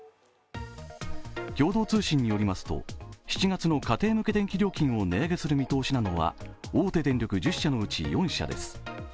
共同通信によりますと７月の家庭向け電気料金を値上げする見通しなのは大手電力１０社のうち４社です。